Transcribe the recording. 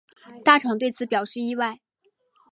大场对此表示意外。